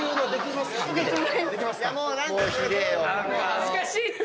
恥ずかしいって！